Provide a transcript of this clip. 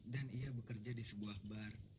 dan ia bekerja di sebuah bar